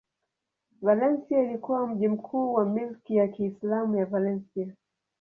Valencia ilikuwa mji mkuu wa milki ya Kiislamu ya Valencia.